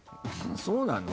そうなの？